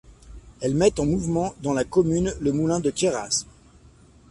Elles mettent en mouvement dans la commune, le moulin de Cayras.